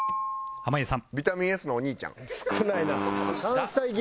濱家さん